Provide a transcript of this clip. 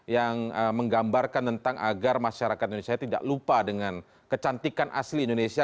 yang menggambarkan tentang agar masyarakat indonesia tidak lupa dengan kecantikan asli indonesia